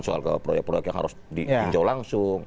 soal ke proyek proyek yang harus diinjau langsung